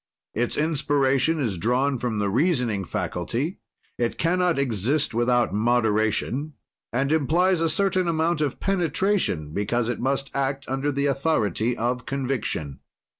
"Its inspiration is drawn from the reasoning faculty, it cannot exist without moderation and implies a certain amount of penetration, because it must act under the authority of conviction.